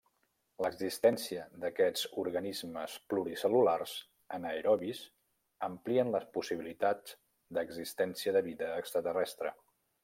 L'existència d'aquests organismes pluricel·lulars anaerobis amplien les possibilitats d'existència de vida extraterrestre.